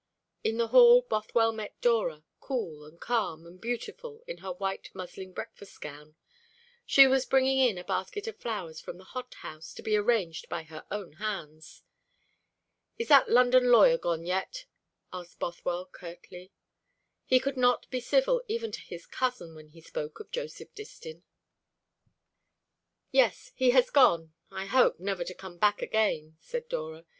In the hall Bothwell met Dora, cool, and calm, and beautiful, in her white muslin breakfast gown. She was bringing in a basket of flowers from the hothouse, to be arranged by her own hands. "Is that London lawyer gone yet?" asked Bothwell curtly. He could not be civil even to his cousin when he spoke of Joseph Distin. "Yes, he has gone I hope, never to come back again," said Dora.